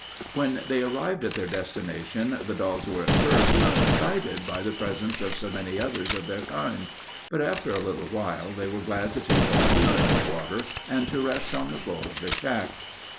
When they arrived at their destination, the dogs were at first much excited by the presence of so many others of their kind, but after a little while they were glad to take a long drink of water and to rest on the floor of the shack.